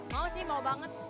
mau sih mau banget